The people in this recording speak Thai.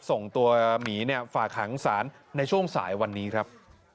ส่งตัวหมีฝากหางศาลในช่วงสายวันนี้ครับ